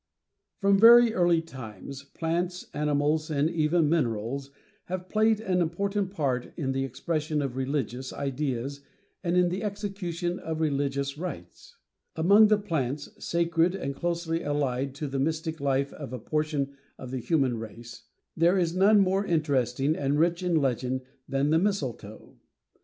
From very early times plants, animals, and even minerals have played an important part in the expression of religious ideas and in the execution of religious rites. Among the plants, sacred, and closely allied to the mystic life of a portion of the human race, there is none more interesting and rich in legend than the mistletoe.